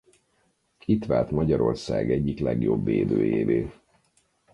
Itt vált Magyarország egyik legjobb védőjévé.